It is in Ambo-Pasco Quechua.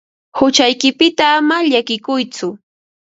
Huchaykipita ama llakikuytsu.